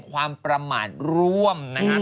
ความประมาณร่วมนะคะ